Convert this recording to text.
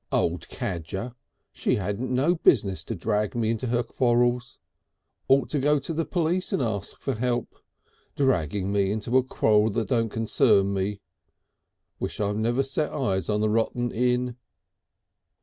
"Old cadger! She hadn't no business to drag me into her quarrels. Ought to go to the police and ask for help! Dragging me into a quarrel that don't concern me." "Wish I'd never set eyes on the rotten inn!"